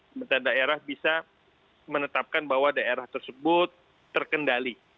pemerintah daerah bisa menetapkan bahwa daerah tersebut terkendali